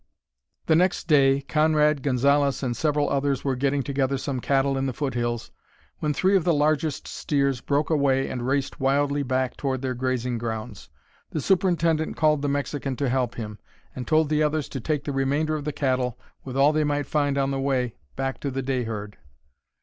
The next day, Conrad, Gonzalez, and several others were getting together some cattle in the foot hills when three of the largest steers broke away and raced wildly back toward their grazing grounds. The superintendent called the Mexican to help him, and told the others to take the remainder of the cattle, with all they might find on the way, back to the day herd.